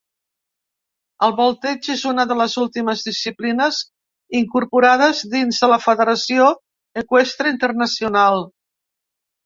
El volteig és una de les últimes disciplines incorporades dins de la Federació Eqüestre Internacional.